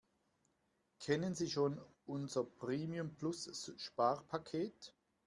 Kennen Sie schon unser Premium-Plus-Sparpaket?